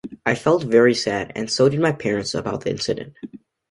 I felt very sad, and so did my parents about the incident.